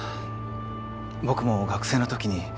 僕も学生のときに。